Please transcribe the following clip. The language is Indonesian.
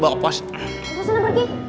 bawa ke pos sana pergi